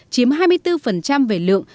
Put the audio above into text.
chiếm hai mươi bốn về lượng